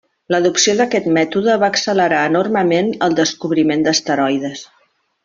L'adopció d'aquest mètode va accelerar enormement el descobriment d'asteroides.